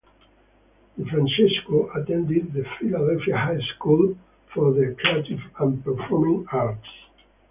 DeFrancesco attended the Philadelphia High School for the Creative and Performing Arts.